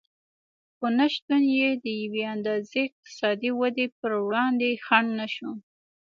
خو نشتون یې د یوې اندازې اقتصادي ودې پر وړاندې خنډ نه شو